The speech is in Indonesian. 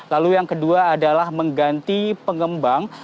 lalu yang kedua adalah mengganti pengembang